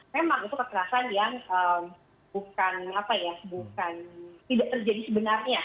memang itu kekerasan yang bukan apa ya bukan tidak terjadi sebenarnya